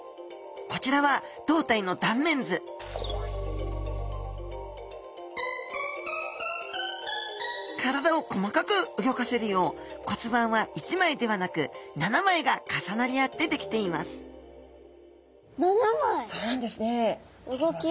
こちらはどうたいの断面図体を細かくうギョかせるよう骨板は１枚ではなく７枚が重なり合って出来ていますそうなんですね。